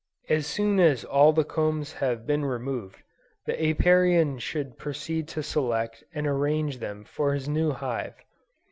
As soon as all the combs have been removed, the Apiarian should proceed to select and arrange them for his new hive.